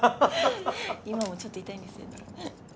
今もちょっと痛いんですよね